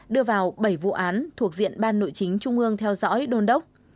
đưa vào bảy vụ án thuộc diện ban nội chính trung ương theo dõi đôn đốc